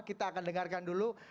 kita akan dengarkan dulu